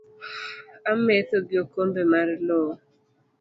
Ametho gi okombe mar loo